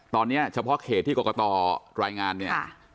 ตอนนี้เฉพาะเขตที่กรกตรายงานเนี่ย